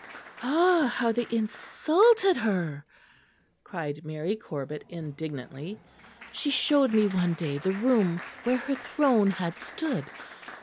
"Ah! how they insulted her!" cried Mary Corbet indignantly. "She showed me one day the room where her throne had stood.